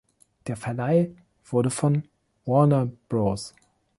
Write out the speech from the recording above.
Der Verleih wurde von Warner Bros.